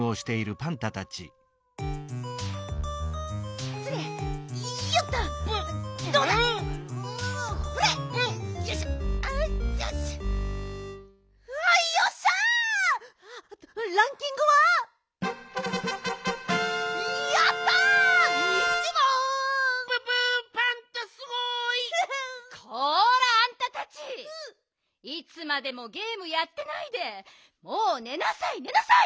いつまでもゲームやってないでもうねなさいねなさい！